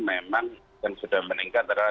memang yang sudah meningkat adalah